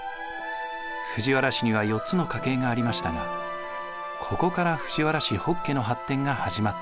藤原氏には４つの家系がありましたがここから藤原氏北家の発展が始まったのです。